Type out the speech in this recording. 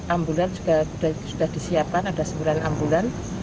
ambulan juga sudah disiapkan ada sembilan ambulan